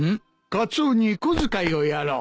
カツオに小遣いをやろう。